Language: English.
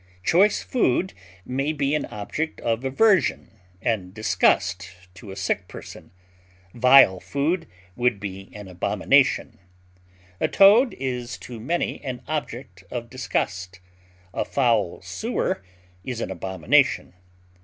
Choice food may be an object of aversion and disgust to a sick person; vile food would be an abomination. A toad is to many an object of disgust; a foul sewer is an abomination.